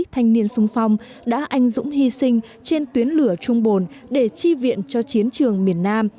thanh niên sung phong đã anh dũng hy sinh trên tuyến lửa trung bồn để chi viện cho chiến trường miền nam